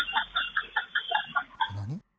・何？